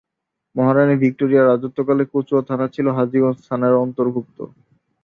মহারাণী Victoria রাজত্বকালে কচুয়া থানা ছিল হাজীগঞ্জ থানার অন্তর্ভুক্ত।